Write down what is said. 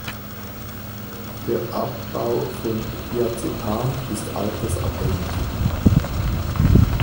Der Abbau von Diazepam ist altersabhängig.